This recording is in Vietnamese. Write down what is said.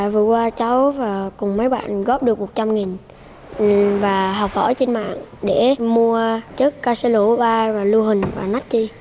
vừa qua cháu và cùng mấy bạn góp được một trăm linh và học hỏi trên mạng để mua chất cao xe lũ ba và lưu hình và nách chi